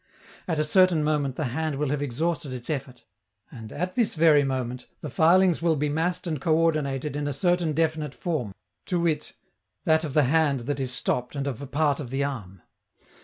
At a certain moment the hand will have exhausted its effort, and, at this very moment, the filings will be massed and coördinated in a certain definite form, to wit, that of the hand that is stopped and of a part of the arm.